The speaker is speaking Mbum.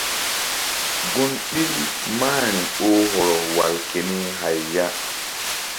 Gun ɓil mahri oh hɔrɔ wal keni hay ya.